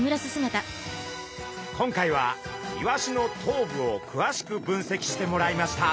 今回はイワシの頭部をくわしく分析してもらいました。